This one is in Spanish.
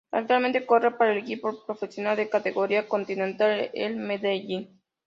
Actualmente corre para el equipo profesional de categoría continental el Medellín.